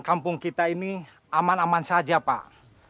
kampung kita ini aman aman saja pak